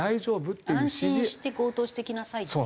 安心して強盗してきなさいっていう。